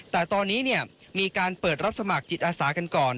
แต่ตอนนี้มีการเปิดรับสมัครจิตอาสากันก่อน